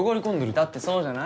だってそうじゃない？